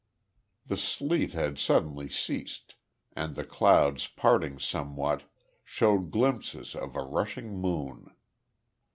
The sleet had suddenly ceased, and the clouds parting somewhat, showed glimpses of a rushing moon.